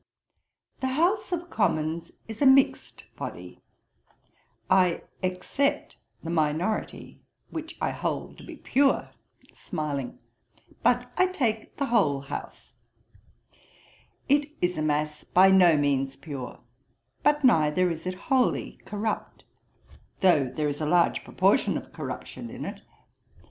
'The House of Commons is a mixed body. (I except the Minority, which I hold to be pure, [smiling] but I take the whole House.) It is a mass by no means pure; but neither is it wholly corrupt, though there is a large proportion of corruption in it.